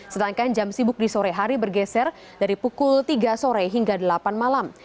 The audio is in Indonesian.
sedangkan jam sibuk di sore hari bergeser dari pukul tiga sore hingga delapan malam